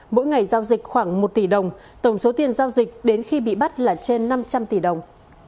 mỗi ngày giao dịch khoảng một tỷ đồng tổng số tiền giao dịch đến khi bị bắt là trên năm trăm linh tỷ đồng